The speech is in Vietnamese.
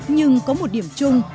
nhưng có một điểm chung